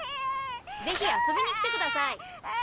ぜひ遊びに来てください。